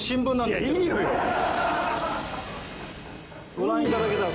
ご覧いただけたら。